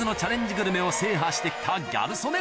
グルメを制覇して来たギャル曽根